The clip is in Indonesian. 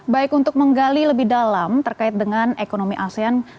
baik untuk menggali lebih dalam terkait dengan ekonomi asean